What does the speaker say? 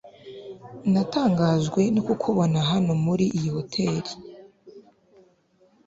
natangajwe no kukubona hano muri iyi hoteri